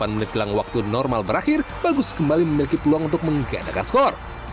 delapan menit jelang waktu normal berakhir bagus kembali memiliki peluang untuk menggadakan skor